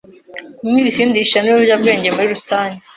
kunywa ibisindisha n’ibiyobyabwenge muri rusange,